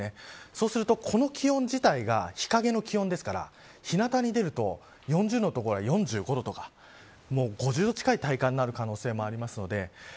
そうすると、この気温自体が日陰の気温ですから日なたに出ると、４５度とか５０度近い体感になる可能性もあります。